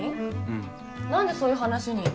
うん何でそういう話に？